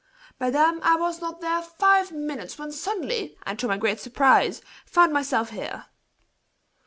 "Madame, I was not there five minutes when I suddenly, and to my great surprise, found myself here."